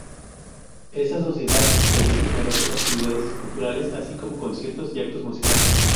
Esta Sociedad, realiza numerosas actividades culturales así como conciertos y actos musicales.